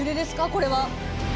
これは。